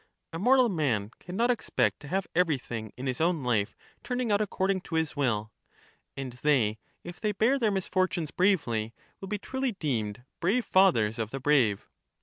A mortal man cannot expect to have every thing in his own life turning out according to his will ; and they, if they bear their misfortunes bravely, will be truly deemed brave fathers of the brave.